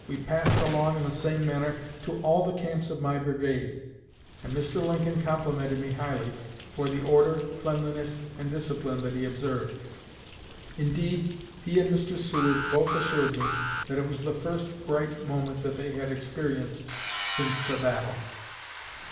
We passed along in the same manner to all the camps of my brigade; and Mr. Lincoln complimented me highly for the order, cleanliness, and discipline that he observed. Indeed, he and Mr. Seward both assured me that it was the first bright moment that they had experienced since the battle."